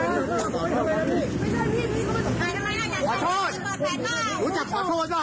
ไม่ใช่พี่พี่ก็ไม่ต้องถ่ายทำไมอยากถ่ายทำไมอยากตอบแพทย์ก้าว